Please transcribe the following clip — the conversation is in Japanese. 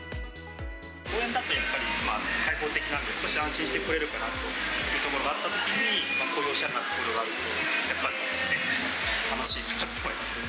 公園だとやっぱり開放的なんで、少し安心して来れるかなというところがあったときに、こういうおしゃれな所があると、やっぱ楽しいなと思います。